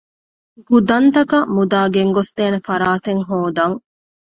ގުދަންތަކަށް މުދާ ގެންގޮސްދޭނެ ފަރާތެއް ހޯދަން